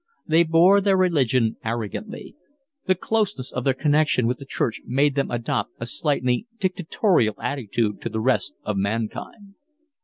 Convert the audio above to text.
They bore their religion arrogantly. The closeness of their connection with the church made them adopt a slightly dictatorial attitude to the rest of mankind.